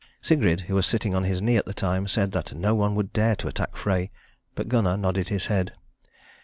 Sigrid, who was sitting on his knee at the time, said that no one would dare to attack Frey; but Gunnar nodded his head.